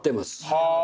はあ！